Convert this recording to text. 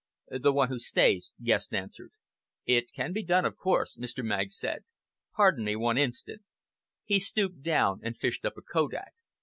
"The one who stays," Guest answered. "It can be done, of course," Mr. Magg said. "Pardon me one instant." He stooped down and fished up a kodak.